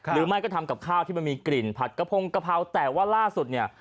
หรือไม่ก็ทำกับข้าวที่มันมีกลิ่นผัดกระพงกะเพราแต่ว่าล่าสุดเนี่ย